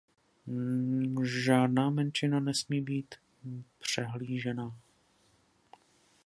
Žádná menšina nesmí být přehlížena.